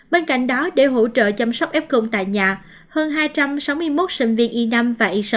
bên cạnh đó để hỗ trợ chăm sóc f tại nhà hơn hai trăm sáu mươi một sinh viên y năm và y sáu